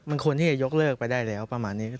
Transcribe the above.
มันควรที่จะยกเลิกไปได้แล้วประมาณนี้